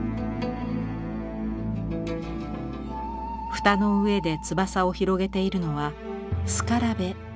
蓋の上で翼を広げているのはスカラベ。